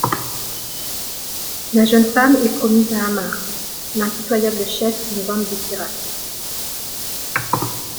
La jeune femme est promise à Hamar, l'impitoyable chef d'une bande de pirates.